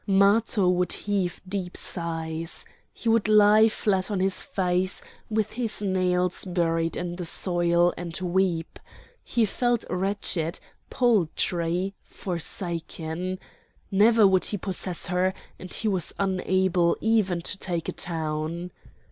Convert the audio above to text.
Matho would heave deep sighs. He would lie flat on his face, with his nails buried in the soil, and weep; he felt wretched, paltry, forsaken. Never would he possess her, and he was unable even to take a town.